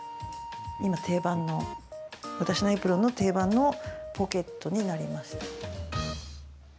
今、私のエプロンの定番のポケットになりました。